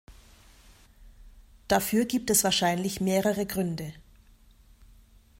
Dafür gibt es wahrscheinlich mehrere Gründe.